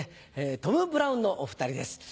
トム・ブラウンのお２人です。